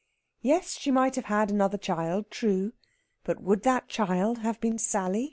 Yes, she might have had another child true! But would that child have been Sally?